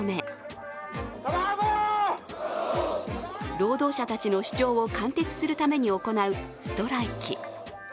労働者たちの主張を貫徹するために行うストライキ。